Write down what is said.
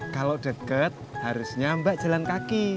kalau deket harusnya mbak jalan kaki